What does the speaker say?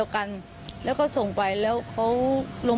ก็บอกว่าหนูไม่เป็น